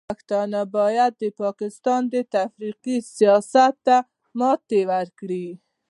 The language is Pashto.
پښتانه باید د پاکستان د تفرقې سیاست ته ماتې ورکړي.